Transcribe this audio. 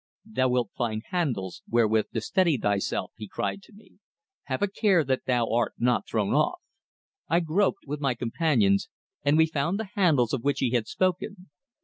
"Thou wilt find handles, wherewith to steady thyself," he cried to me. "Have a care that thou art not thrown off." I groped with my companions, and we found the handles of which he had spoken.